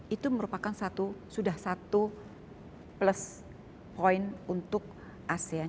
itu merupakan satu sudah satu plus point untuk asean